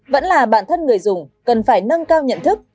vẫn là bản thân người dùng cần phải nâng cao nhận thức